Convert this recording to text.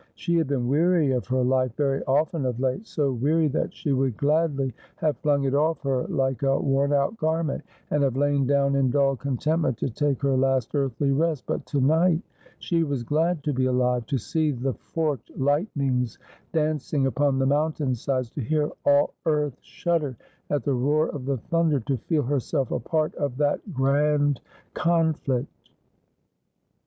She bad been weary of her life very often of late, so weary that she would gladly have flung it ofE her like a worn out garment, and have lain down in dull contentment to take her last earthly rest ; but to night she was glad to be alive — to see the forked lightnings dancing upon the mountain sides ; to hear all earth shudder at the roar of the thunder ; to feel herself a part of that grand conflict.